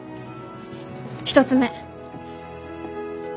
１つ目！